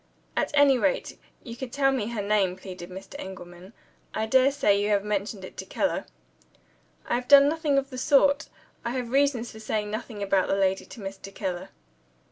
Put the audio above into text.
"At any rate, you can tell me her name," pleaded Mr. Engelman. "I dare say you have mentioned it to Keller?" "I have done nothing of the sort. I have reasons for saying nothing about the lady to Mr. Keller."